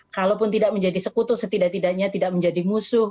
kalaupun tidak menjadi sekutu setidak tidaknya tidak menjadi musuh